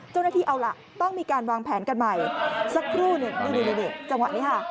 เจ้าหน้าที่เอาล่ะต้องมีการวางแผนกันใหม่สักครู่หนึ่งนี่จังหวะนี้ค่ะ